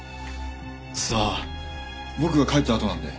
さあ僕が帰ったあとなんで。